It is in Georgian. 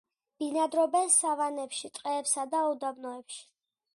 ბინადრობენ სავანებში, ტყეებსა და უდაბნოებში.